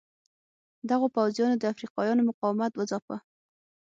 دغو پوځیانو د افریقایانو مقاومت وځاپه.